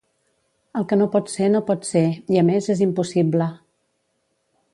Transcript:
El que no pot ser no pot ser, i, a més, és impossible.